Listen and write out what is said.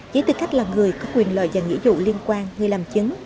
với tư cách là người có quyền lợi và nghĩa dụ liên quan người làm chứng